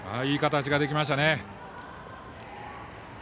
いい形ができました。